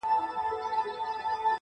زما د تصور لاس گراني ستا پر ځــنگانـه.